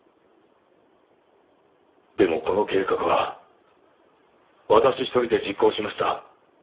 でもこの計画は私一人で実行しました。